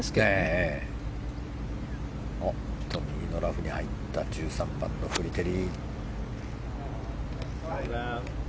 右のラフに入った１３番のフリテリ。